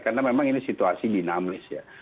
karena memang ini situasi dinamis ya